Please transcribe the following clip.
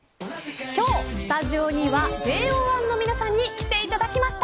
今日、スタジオにはＪＯ１の皆さんに来ていただきました。